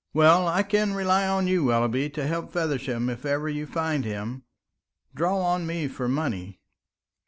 "Well, I can rely on you, Willoughby, to help Feversham if ever you find him. Draw on me for money."